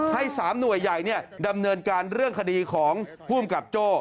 ให้๓หน่วยใหญ่ดำเนินการเรื่องคดีของภูมิกับโจ้